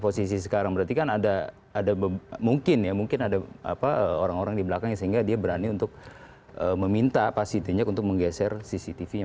posisi sekarang berarti kan ada mungkin ya mungkin ada orang orang di belakangnya sehingga dia berani untuk meminta pak sitinya untuk menggeser cctv nya